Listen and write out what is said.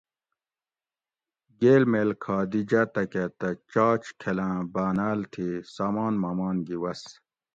گیل میل کھا دی جاۤتکۤہ تہ چاچ کھلاۤں باۤناۤل تھی سامان مامان گی وس